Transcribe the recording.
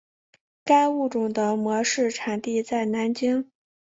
该物种的模式产地在南京。